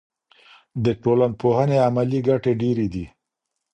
د ټولنپوهنې عملي ګټې ډېرې دي.